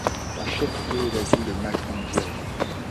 Son chef-lieu est la ville de Malkangiri.